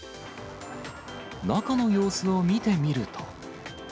中の様子を見てみると。